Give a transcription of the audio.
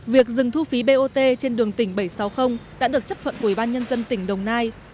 việc dừng thu phí bot trên đường tỉnh bảy trăm sáu mươi đã được chấp thuận của ủy ban nhân dân tỉnh đồng nai